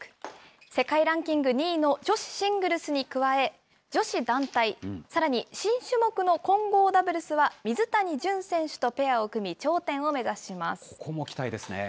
世界ランキング２位の女子シングルスに加え、女子団体、さらに新種目の混合ダブルスは水谷隼選手とペアを組み、頂点を目ここも期待ですね。